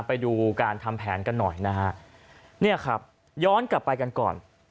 ไปดูการทำแผนกันหน่อยนะฮะเนี่ยครับย้อนกลับไปกันก่อน